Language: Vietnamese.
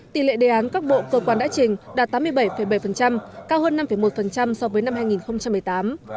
tỷ lệ đề án các bộ cơ quan đã trình đạt tám mươi bảy bảy cao hơn năm một so với năm hai nghìn một mươi tám